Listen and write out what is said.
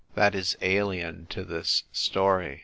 That is alien to this story.